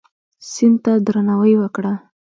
سیند ته درناوی وکړه.